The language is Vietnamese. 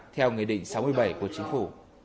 theo nghị định sáu mươi bảy của chính phủ